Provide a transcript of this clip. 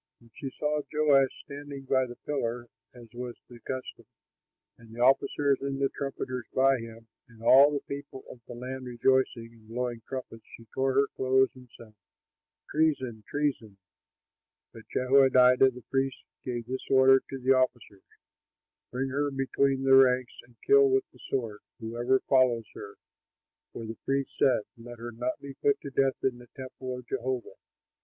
When she saw Joash standing by the pillar, as was the custom, and the officers and the trumpeters by him, and all the people of the land rejoicing and blowing trumpets, she tore her clothes and cried, "Treason! Treason!" But Jehoiada the priest gave this order to the officers: "Bring her out between the ranks, and kill with the sword whoever follows her," for the priest said, "Let her not be put to death in the temple of Jehovah."